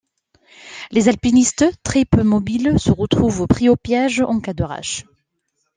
Les alpinistes, très peu mobiles, se retrouvent pris au piège en cas d'orage.